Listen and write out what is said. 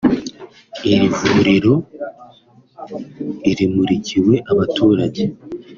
Iri vuriro rimurikiwe abaturage